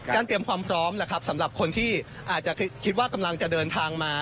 เตรียมความพร้อมนะครับสำหรับคนที่อาจจะคิดว่ากำลังจะเดินทางมา